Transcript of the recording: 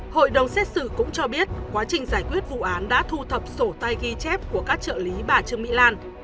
hội đồng xét xử cũng cho biết quá trình giải quyết vụ án đã thu thập sổ tay ghi chép của các trợ lý bà trương mỹ lan